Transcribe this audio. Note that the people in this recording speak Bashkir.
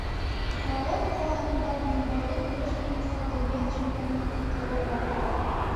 Салауат ҡалаһында Билбаулы көрәш буйынса донъя чемпионаты ҡыҙыу барҙы.